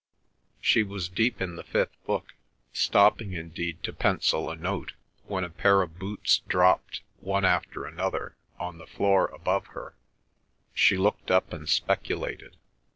She was deep in the fifth book, stopping indeed to pencil a note, when a pair of boots dropped, one after another, on the floor above her. She looked up and speculated.